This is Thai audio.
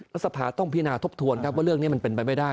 รัฐสภาต้องพินาทบทวนครับว่าเรื่องนี้มันเป็นไปไม่ได้